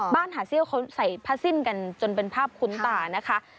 หาเซี่ยวเขาใส่ผ้าสิ้นกันจนเป็นภาพคุ้นตานะคะ